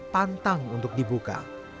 pantang untuk dibuka